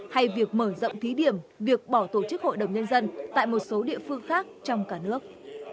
hay việc mở rộng thí điểm việc bỏ tổ chức hội đồng nhân dân tại một số địa phương khác trong cả nước